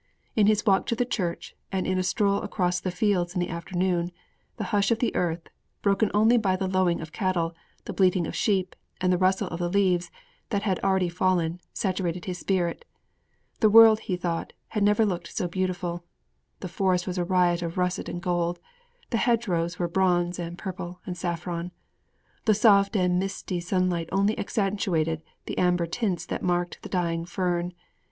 In his walk to the church, and in a stroll across the fields in the afternoon, the hush of the earth, broken only by the lowing of cattle, the bleating of sheep and the rustle of the leaves that had already fallen, saturated his spirit. The world, he thought, had never looked so beautiful. The forest was a riot of russet and gold. The hedge rows were bronze and purple and saffron. The soft and misty sunlight only accentuated the amber tints that marked the dying fern.